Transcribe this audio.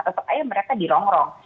tetap aja mereka dirongrong